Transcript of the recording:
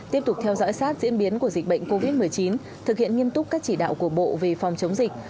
tiếp tục theo dõi sát diễn biến của dịch bệnh covid một mươi chín thực hiện nghiêm túc các chỉ đạo của bộ về phòng chống dịch